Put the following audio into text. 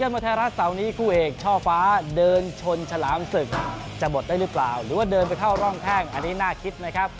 ผู้เอกช่อฟ้าเดินชนชาลามสึกจะบดได้หรือเปล่าหรือว่าเดินไปเข้าร่องแท่งอันนี้น่าคิดไหมครับ